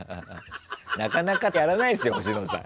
なかなかやらないですよ星野さん。